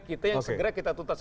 kita yang segera kita tuntas